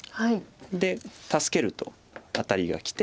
で助けるとアタリがきて。